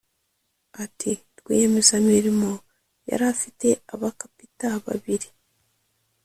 Ati “Rwiyemezamirimo yari afite abakapita babiri